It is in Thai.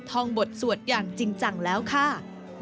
องบทสวดอย่างจริงจังแล้วค่ะ